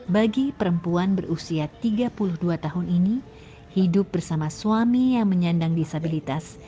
bagi perempuan berusia tiga puluh dua tahun ini hidup bersama suami yang menyandang disabilitas